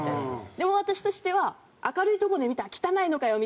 でも私としては「明るいとこで見たら汚いのかよ」みたいな。